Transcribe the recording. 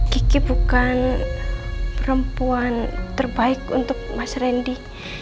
kiki bukan perempuan terbaik untuk mas randy